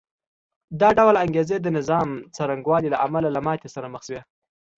دا ډول انګېزې د نظام څرنګوالي له امله له ماتې سره مخ شوې